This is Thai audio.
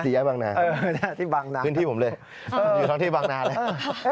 สีย้าบางนาครับขึ้นที่ผมเลยอยู่ทั้งที่บางนาเลยค่ะ